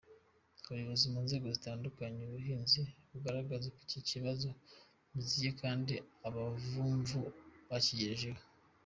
Ubuyobozi mu nzego zitandukanye z’ubuhinzi bugaragza ko iki kibazo bukizi kandi abavumvu bakibagejejeho.